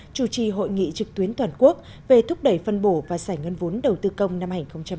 chủ trì hội nghị trực tuyến toàn quốc về thúc đẩy phân bổ và xảy ngân vốn đầu tư công năm hai nghìn một mươi chín